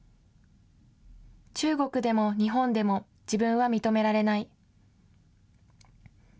中国でも日本でも自分は認められない。